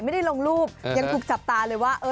ไม่ได้ลงรูปยังถูกจับตาเลยว่า